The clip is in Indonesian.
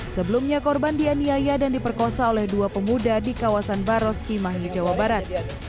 sebelumnya korban dianiaya dan diperkosa oleh dua pemuda di kawasan baros cimahi jawa barat